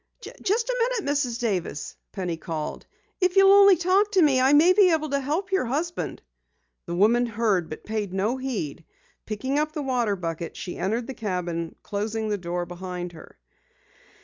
"Just a minute, Mrs. Davis," Penny called. "If you'll only talk to me I may be able to help your husband." The woman heard but paid no heed. Picking up the water bucket, she entered the cabin, closing the door behind her.